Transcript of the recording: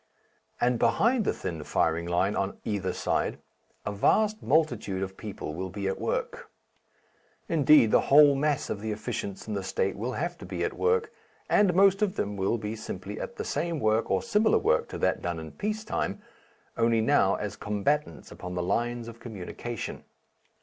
And behind the thin firing line on either side a vast multitude of people will be at work; indeed, the whole mass of the efficients in the State will have to be at work, and most of them will be simply at the same work or similar work to that done in peace time only now as combatants upon the lines of communication.